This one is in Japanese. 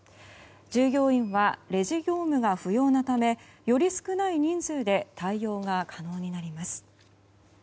従業員は、レジ業務が不要なためより少ない人数で対応が可能になります。